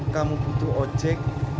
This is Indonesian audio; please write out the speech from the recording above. kamu butuh ojek